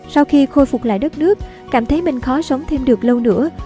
sau khi khôi phục lại đất nước cảm thấy mình khó sống thêm được lâu nữa